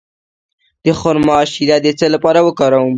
د خرما شیره د څه لپاره وکاروم؟